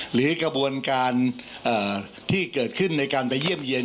หรือกระบวนการที่เกิดขึ้นในการไปเยี่ยมเยี่ยน